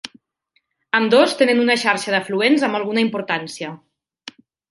Ambdós tenen una xarxa d'afluents amb alguna importància.